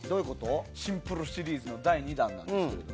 シンプルシリーズの第２弾ですけど。